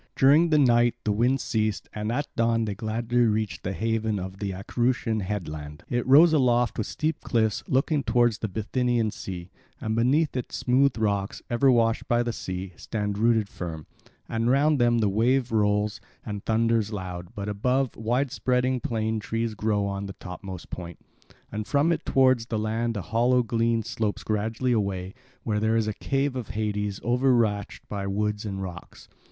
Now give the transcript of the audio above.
During the night the wind ceased and at dawn they gladly reached the haven of the Acherusian headland. It rises aloft with steep cliffs, looking towards the Bithynian sea; and beneath it smooth rocks, ever washed by the sea, stand rooted firm; and round them the wave rolls and thunders loud, but above, wide spreading plane trees grow on the topmost point. And from it towards the land a hollow glen slopes gradually away, where there is a cave of Hades overarched by wood and rocks.